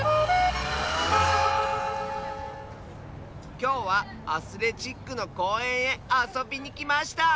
きょうはアスレチックのこうえんへあそびにきました！